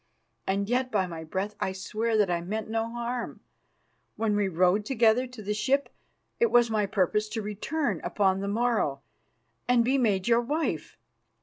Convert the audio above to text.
And yet, by my breath, I swear that I meant no harm. When we rode together to the ship, it was my purpose to return upon the morrow and be made your wife.